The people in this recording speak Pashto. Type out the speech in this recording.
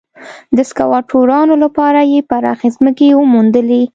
د سکواټورانو لپاره یې پراخې ځمکې وموندلې.